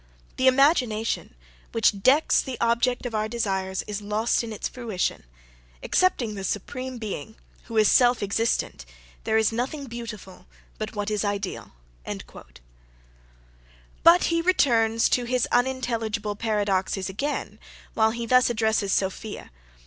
The imagination, which decks the object of our desires, is lost in fruition. Excepting the Supreme Being, who is self existent, there is nothing beautiful but what is ideal." But he returns to his unintelligible paradoxes again, when he thus addresses Sophia.